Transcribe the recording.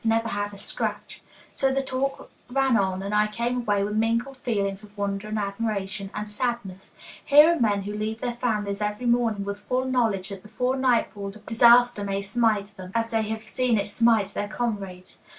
Never had a scratch." So the talk ran on, and I came away with mingled feelings of wonder and admiration and sadness. Here are men who leave their families every morning with full knowledge that before nightfall disaster may smite them, as they have seen it smite their comrades.